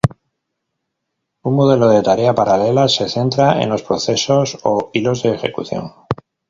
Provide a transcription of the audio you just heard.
Un modelo de tarea paralela se centra en los procesos o hilos de ejecución.